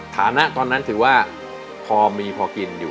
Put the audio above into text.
ฐานะตอนนั้นถือว่าพอมีพอกินอยู่